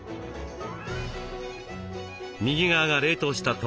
右側が冷凍した豆腐。